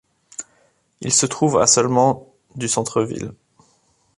Il se trouve à seulement du centre-ville.